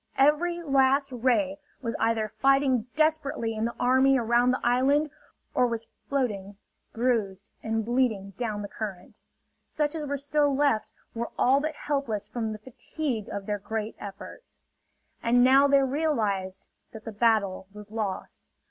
Every last ray was either fighting desperately in the army around the island, or was floating bruised and bleeding down the current. Such as were still left were all but helpless from the fatigue of their great efforts. And now they realized that the battle was lost.